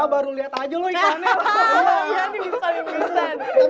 baru lihat aja loh ikannya